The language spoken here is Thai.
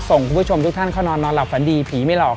คุณผู้ชมทุกท่านเข้านอนนอนหลับฝันดีผีไม่หลอก